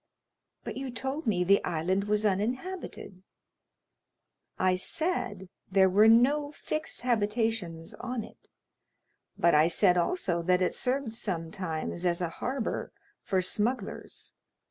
"But you told me the island was uninhabited?" "I said there were no fixed habitations on it, but I said also that it served sometimes as a harbor for smugglers."